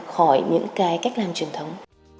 khỏi những cái cách làm truyền thống